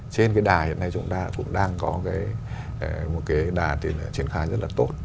trên cái đà hiện nay chúng ta cũng đang có một cái đà triển khai rất là tốt